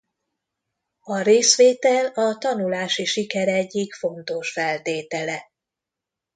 A részvétel a tanulási siker egyik fontos feltétele.